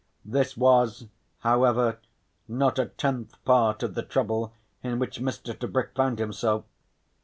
This was, however, not a tenth part of the trouble in which Mr. Tebrick found himself.